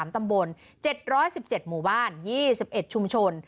๓ตำบล๗๑๗หมู่บ้าน๒๑ชุมชน